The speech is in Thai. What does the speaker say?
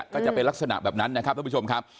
ก็จะเป็นลักษณะแบบนั้นนะครับท่านผู้ชมครับ